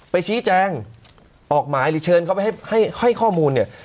ไปชี้แจงออกหมายหรือเชิญเขาไปให้ข้อมูลเนี่ย